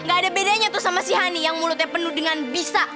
gak ada bedanya tuh sama si hani yang mulutnya penuh dengan bisa